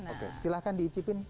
oke silahkan diicipin